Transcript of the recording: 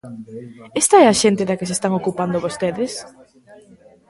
¿Esta é a xente da que se están ocupando vostedes?